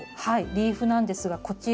リーフなんですがこちら。